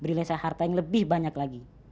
beri lesa harta yang lebih banyak lagi